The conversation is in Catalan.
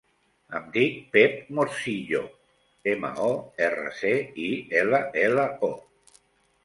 Em dic Pep Morcillo: ema, o, erra, ce, i, ela, ela, o.